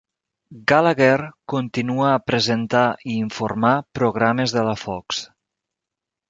Gallagher continua a presentar i informar programes de la Fox.